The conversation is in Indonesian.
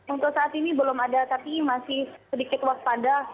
untuk saat ini belum ada tapi masih sedikit waspada